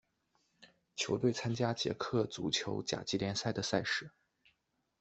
球队参加捷克足球甲级联赛的赛事。